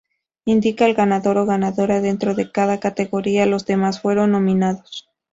Indica el ganador o ganadora dentro de cada categoría, los demás fueron nominados.